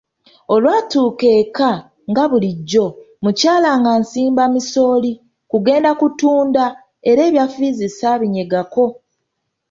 Olwatuuka eka nga bulijjo mukyala ng'ansimba misooli kugenda kutunda era ebya ffiizi ssaabinyegako.